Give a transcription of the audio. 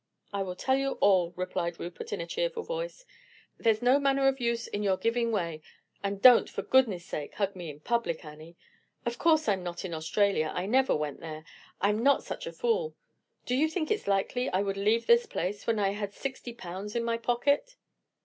"I will tell you all," replied Rupert in a cheerful voice. "There's no manner of use in your giving way, and don't, for goodness' sake! hug me in public, Annie. Of course I'm not in Australia—I never went there; I'm not such a fool. Do you think it's likely I would leave this place when I had sixty pounds in my pocket?"